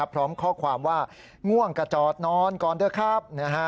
พร้อมข้อความว่าง่วงก็จอดนอนก่อนเถอะครับ